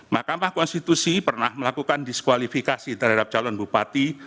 mahkamah konstitusi pernah melakukan diskualifikasi terhadap calon bupati